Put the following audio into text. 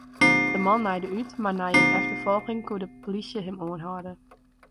De man naaide út, mar nei in efterfolging koe de plysje him oanhâlde.